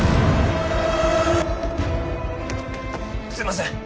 すいません